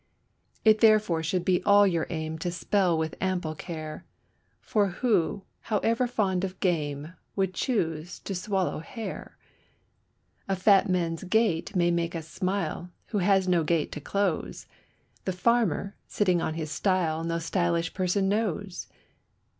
It therefore should be all your aim to spell with ample care; For who, however fond of game, would choose to swallow hair? A fat man's gait may make us smile, who has no gate to close; The farmer, sitting on his stile no _sty_lish person knows.